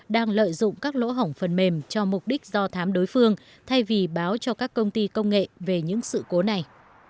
đang lợi dụng các lỗ hỏng phần mềm cho mục đích do thám đối phương thay vì báo cho các công ty công nghệ về những sự cố này